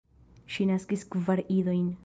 Ŝi naskis kvar idojn.